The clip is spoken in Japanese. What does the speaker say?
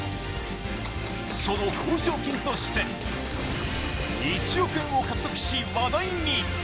その褒賞金として１億円を獲得し、話題に。